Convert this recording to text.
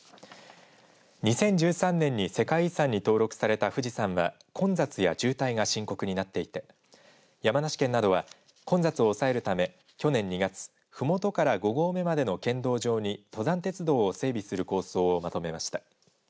２０１３年に世界遺産に登録された富士山は混雑や渋滞が深刻になっていて山梨県などは混雑を抑えるため去年２月ふもとから５合目までの県道上に登山鉄道を整備する構想をまとめました。